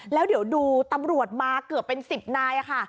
แล้วเดี๋ยวดูตำรวจมาเกือบเป็น๑๐นายค่ะ